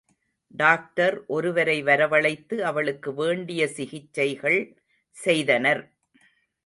Doctor ஒருவரை வரவழைத்து அவளுக்கு வேண்டிய சிகிச்சைகள் செய்தனர்.